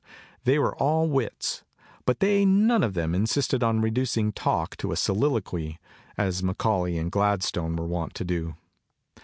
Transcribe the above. They were all wits, but they none of them insisted on reducing talk to a soliloquy, as Macaulay and Gladstone were wont to do.